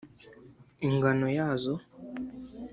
Ingano yazo